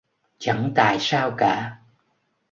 Chẳng Tại sao cả